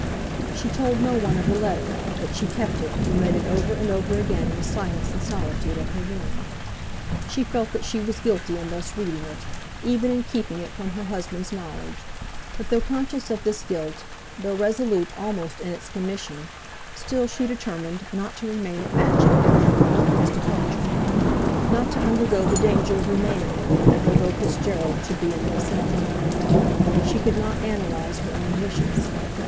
She told no one of the letter, but she kept it, and read it over and over again in the silence and solitude of her room. She felt that she was guilty in thus reading it, even in keeping it from her husband's knowledge; but though conscious of this guilt, though resolute almost in its commission, still she determined not to remain at Matching after her husband's departure, not to undergo the danger of remaining there while Burgo Fitzgerald should be in the vicinity. She could not analyse her own wishes.